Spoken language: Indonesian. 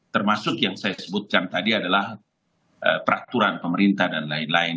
termasuk yang saya sebutkan tadi adalah peraturan pemerintah dan lain lain